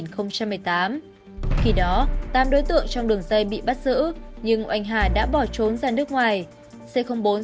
khi đó tám đối tượng trong đường dây bị bắt giữ nhưng oanh hà đã bỏ trốn ra nước ngoài c bốn